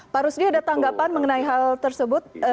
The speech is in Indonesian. pak rusdi ada tanggapan mengenai hal tersebut